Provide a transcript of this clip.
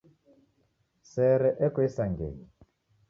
Sere eko isangenyi.